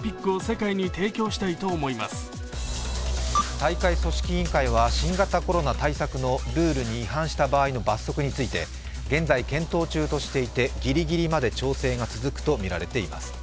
大会組織委員会は新型コロナ対策のルールに違反した場合の罰則について、現在検討中としていて、ギリギリまで調整が続くとみられています。